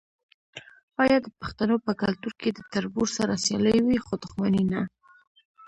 آیا د پښتنو په کلتور کې د تربور سره سیالي وي خو دښمني نه؟